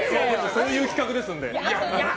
そういう企画ですんで。